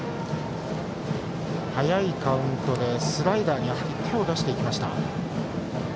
早いカウントでスライダーに手を出していきました。